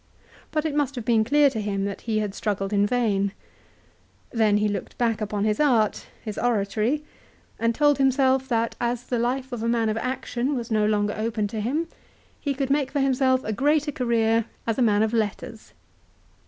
But it must have been clear to him that he had struggled in vain. Then he looked back upon his art, his oratory, and told himself that as the life of a man of action was no longer open to him he could make for himself a greater career as a man of letters.